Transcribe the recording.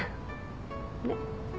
ねっ。